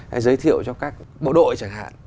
hay giới thiệu cho các bộ đội chẳng hạn